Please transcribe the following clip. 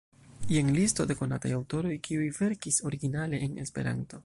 Jen listo de konataj aŭtoroj, kiuj verkis originale en Esperanto.